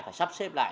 phải sắp xếp lại